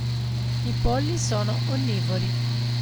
I polli sono onnivori.